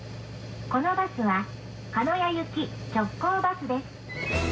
「このバスは鹿屋行き直行バスです」